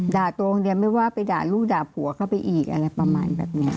ตัวคนเดียวไม่ว่าไปด่าลูกด่าผัวเข้าไปอีกอะไรประมาณแบบนี้